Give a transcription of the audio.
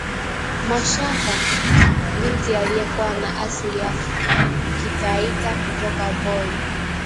Mashaka, binti aliyekuwa na asili ya kitaita kutoka Voi